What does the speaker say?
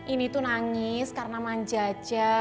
ini tuh nangis karena manja aja